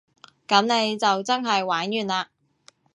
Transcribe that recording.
噉你就真係玩完嘞